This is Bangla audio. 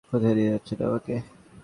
কোথায় নিয়ে যাচ্ছেন আমাকে?